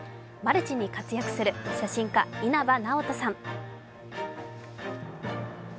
マルチに活躍する写真家・稲葉なおとさん。